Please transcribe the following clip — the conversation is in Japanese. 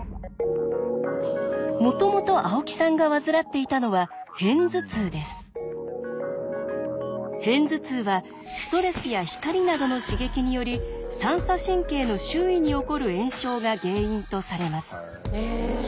もともと青木さんが患っていたのは片頭痛はストレスや光などの刺激により三叉神経の周囲に起こる炎症が原因とされます。